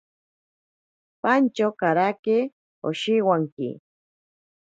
Pantyo karake oshiwanki.